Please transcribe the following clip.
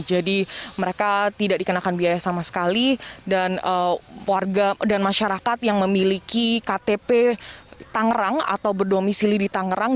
jadi mereka tidak dikenakan biaya sama sekali dan masyarakat yang memiliki ktp tangerang atau berdomisili di tangerang